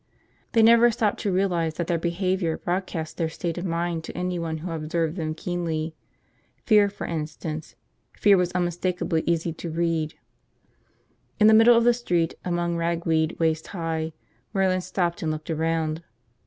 They never stopped to realize that their behavior broadcast their state of mind to anyone who observed them keenly. Fear, for instance. Fear was unmistakably easy to read. ... In the middle of the street, among ragweed waist high, Merlin stopped and looked around.